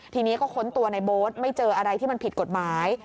ทีนี้ก็ค้นตัวในโบ๊ทไม่เจออะไรที่มันผิดกฎหมาย